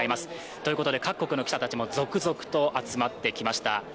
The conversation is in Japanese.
ということで各国の記者たちも続々と集まってきました。